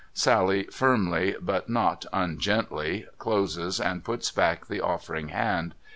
Sally firmly, but not ungently, closes and puts back the offering hand.